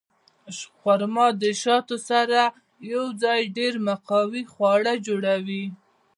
خرما د شاتو سره یوځای ډېر مقوي خواړه جوړوي.